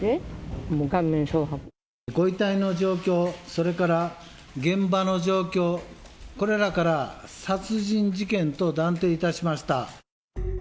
ご遺体の状況、それから現場の状況、これらから殺人事件と断定いたしました。